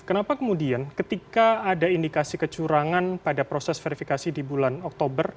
kenapa kemudian ketika ada indikasi kecurangan pada proses verifikasi di bulan oktober